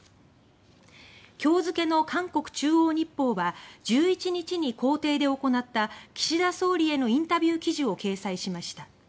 今日付の韓国中央日報は１１日に公邸で行った岸田総理へのインタビュー記事を掲載しました。